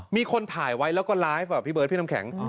มีคนถ่ายไว้แล้วก็ไลฟ์พี่เบิร์ดพี่น้ำแข็ง